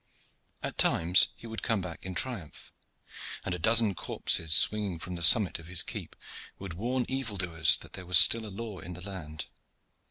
At times he would come back in triumph, and a dozen corpses swinging from the summit of his keep would warn evil doers that there was still a law in the land.